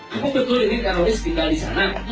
aku betul dengar ada teroris tinggal disana